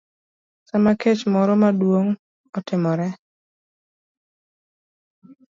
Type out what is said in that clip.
Sama kech moro maduong' otimore,